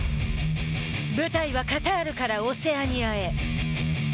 舞台はカタールからオセアニアへ。